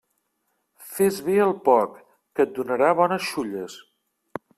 Fes bé al porc, que et donarà bones xulles.